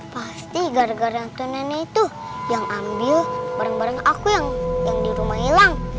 pasti gara gara ke neneknya itu yang ambil barang barang aku yang di rumah hilang